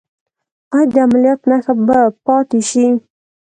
ایا د عملیات نښه به پاتې شي؟